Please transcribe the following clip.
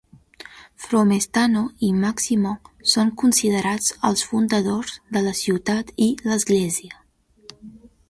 Fromestano i Maximo són considerats els fundadors de la ciutat i l'església.